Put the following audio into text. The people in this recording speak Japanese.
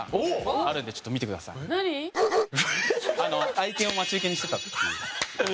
愛犬を待ち受けにしてたっていう。